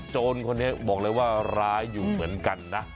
โจรคนนี้บอกเลยว่าร้ายอยู่เหมือนกันนะ